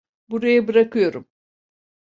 Buraya bırakıyorum.